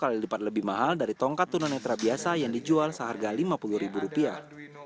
kali lipat lebih mahal dari tongkat tunanetra biasa yang dijual seharga lima puluh ribu rupiah